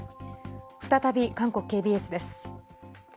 再び、韓国ＫＢＳです。